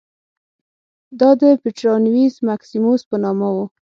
دا د پټرانیوس مکسیموس په نامه و